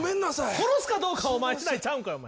殺すかどうかはお前次第ちゃうんかい。